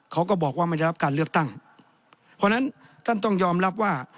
เขาก็บอกว่าไม่ได้รับการเลือกตั้งเพราะฉะนั้นท่านต้องยอมรับว่า